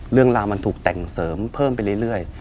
เรื่องราวมันถูกแต่งเสริมเพิ่มไปเรื่อย